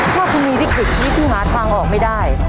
ถ้าคุณมีวิกฤตชีวิตที่หาทางออกไม่ได้